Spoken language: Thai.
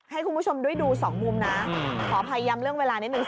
ให้คุณผู้ชมด้วยดู๒มุมนะขอพยายามเรื่องเวลานี้